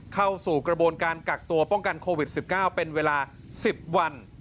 เข้าสู่กระบวนการกักตัวป้องกันโควิด๑๙เป็นเวลา๑๐วัน